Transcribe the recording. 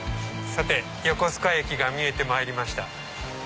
さて横須賀駅が見えてまいりました。